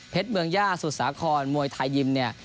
เมืองย่าสุดสาครมวยไทยยิมเนี่ย